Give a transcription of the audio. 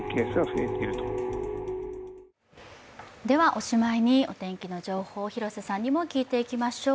おしまいにお天気の情報を広瀬さんにも聞いていきましょう。